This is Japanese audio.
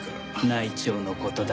内調の事だ。